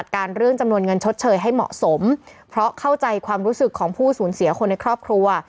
เข้าใจความรู้สึกของผู้สูญเสียคนในครอบครัวอะ